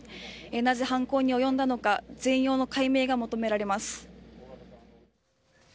なぜ犯行に及んだのか全容の解明が求められます。